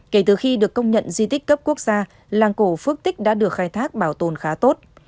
kể từ khi được công nhận di tích cấp quốc gia làng cổ phước tích đã được khai thác bảo tồn khá tốt